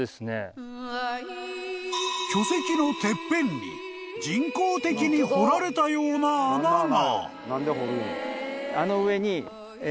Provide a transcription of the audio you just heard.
［巨石のてっぺんに人工的に掘られたような穴が］